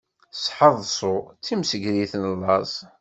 Sḥeḍṣu, d timsegrit n laẓ.